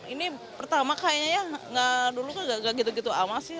ini pertama kayaknya ya dulu kan gak gitu gitu amal sih